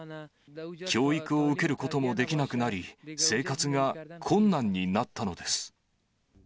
教育を受けることもできなくなり、生活が困難になったのです。